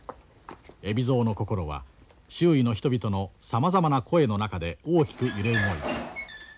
海老蔵の心は周囲の人々のさまざまな声の中で大きく揺れ動いた。